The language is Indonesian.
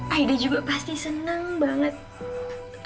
aida juga pasti senang banget